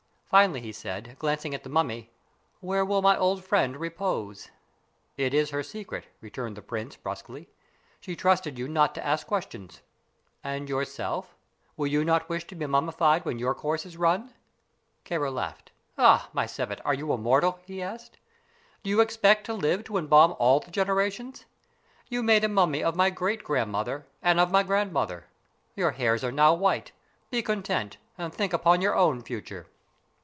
Finally he said, glancing at the mummy: "Where will my old friend repose?" "It is her secret," returned the prince, brusquely. "She trusted you not to ask questions." "And yourself? Will you not wish to be mummified when your course is run?" Kāra laughed. "Ah, my Sebbet, are you immortal?" he asked. "Do you expect to live to embalm all the generations? You made a mummy of my great grandmother and of my grandmother. Your hairs are now white. Be content, and think upon your own future."